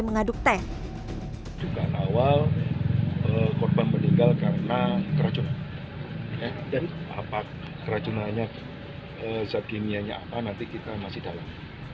mengaduk teh awal korban meninggal karena keracunan keracunannya nanti kita masih dalam